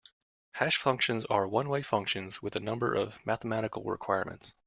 Hash functions are one-way functions with a number of mathematical requirements.